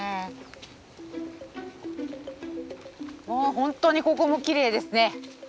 もう本当にここもきれいですね。